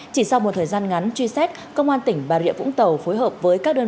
chỉ sau một thời gian ngắn truy xét công an tỉnh bà rịa vũng tàu phối hợp với các đơn vị